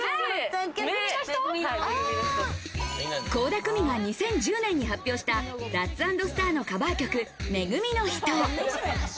倖田來未が２０１０年に発表したラッツ＆スターのカバー曲『め組のひと』。